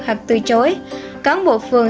hoặc từ chối cán bộ phường